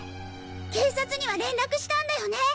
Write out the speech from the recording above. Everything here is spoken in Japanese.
警察には連絡したんだよね？